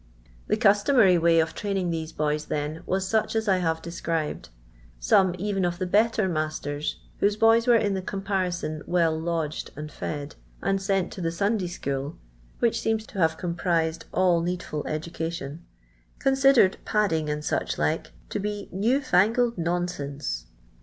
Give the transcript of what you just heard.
The customary way of training these boys, then, was such as I have described ; some even of the better masters, whose boys were in the comparison well lodged and fed, and "sent to the Sunday school" (which seems to have comprised all needful education), con sidered "padding and such like" to be "new fangled nonsense."